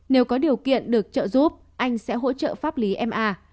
nếu có điều kiện được trợ giúp anh sẽ hỗ trợ pháp lý ma